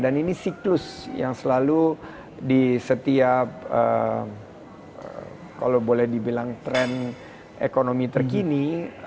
dan ini siklus yang selalu di setiap kalau boleh dibilang tren ekonomi terkini